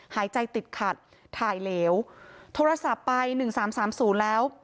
หายใจติดขัดถ่ายเหลวโทรศัพท์ไป๑๓๓๐แล้ว